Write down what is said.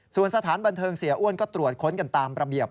ส่วนสถานบันเทิงเสียอ้วนก็ตรวจค้นกันตามระเบียบ